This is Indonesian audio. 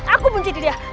aku bunuh diri aku